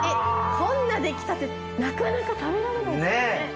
こんな出来たてなかなか食べられないですね。